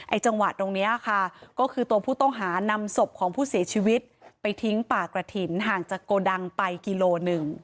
จังหวะตรงนี้ค่ะก็คือตัวผู้ต้องหานำศพของผู้เสียชีวิตไปทิ้งป่ากระถิ่นห่างจากโกดังไปกิโลหนึ่ง